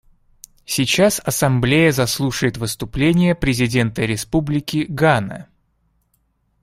Сейчас Ассамблея заслушает выступление президента Республики Гана.